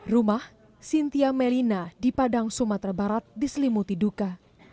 rumah sintia melina di padang sumatera barat diselimuti duka